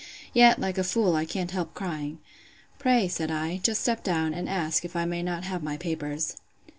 Yet, like a fool, I can't help crying.—Pray, said I, just step down, and ask, if I may not have my papers.